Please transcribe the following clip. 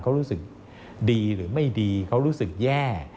เขารู้สึกดีหรือไม่ดีเขารู้สึกแย่